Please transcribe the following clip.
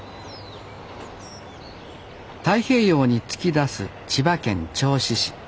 太平洋に突き出す千葉県銚子市。